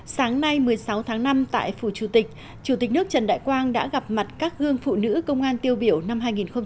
sáng nay một mươi sáu tháng năm tại phủ chủ tịch chủ tịch nước trần đại quang đã gặp mặt các gương phụ nữ công an tiêu biểu năm hai nghìn hai mươi